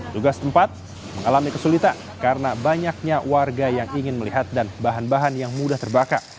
tugas tempat mengalami kesulitan karena banyaknya warga yang ingin melihat dan bahan bahan yang mudah terbakar